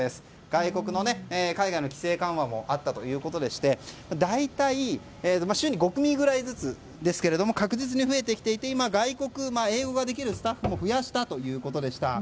外国の海外の規制緩和もあったということでして大体、週に５組くらいずつですが確実に増えてきていて今、英語ができるスタッフも増やしたということでした。